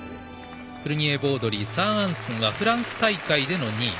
フルニエボードリーサアアンスンはフランス大会での２位。